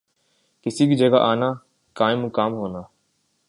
کسی کی جگہ آنا، قائم مقام ہونا